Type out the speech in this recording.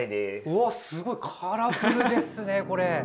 うわっすごい！カラフルですねこれ！